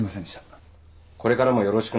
これからもよろしくな。